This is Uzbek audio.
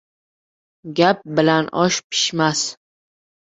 Gap bilan osh pishmas.